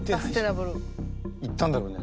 言ったんだろうね。